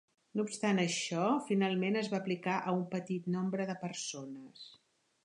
No obstant això, finalment es va aplicar a un petit nombre de persones.